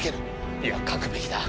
いや書くべきだ。